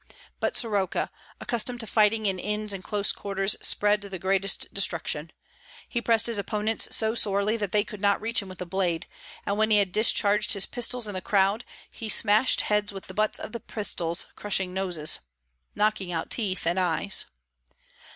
But Soroka, accustomed to fighting in inns and close quarters, spread the greatest destruction. He pressed his opponents so sorely that they could not reach him with a blade; and when he had discharged his pistols in the crowd, he smashed heads with the butts of the pistols, crushing noses, knocking out teeth and eyes.